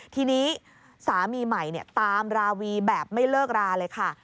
ทีนี้สามีใหม่ตามราวีแบบไม่เลิกราเลยค่ะ